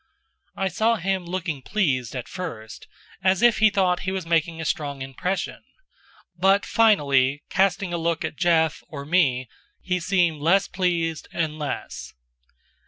I saw him looking pleased at first, as if he thought he was making a strong impression; but, finally, casting a look at Jeff, or me, he seemed less pleased and less.